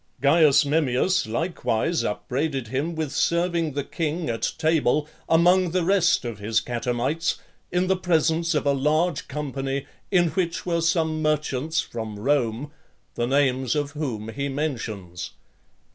Caius Memmius likewise upbraided him with serving the king at table, among the rest of his catamites, in the presence of a large company, in which were some merchants from Rome, the names of whom he mentions.